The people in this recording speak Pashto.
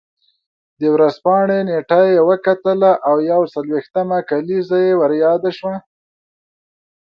د ورځپاڼې نېټه یې وکتله او یو څلوېښتمه کلیزه یې ور یاده شوه.